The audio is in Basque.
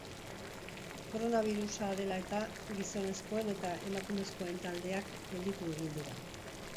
Koronabirusa dela eta, gizonezkoen eta emakumezkoen taldeak gelditu egingo dira.